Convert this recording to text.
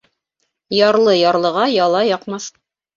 Ярлы ярлыға яла яҡмаҫ.